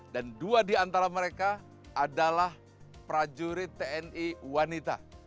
dua di antara mereka adalah prajurit tni wanita